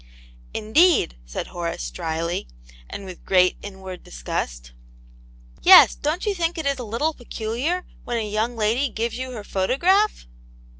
" Indeed 1" said Horace, dryly, and with great inward disgust. " Yes ; don't you think it is a little particular when a young lady gives you her photograph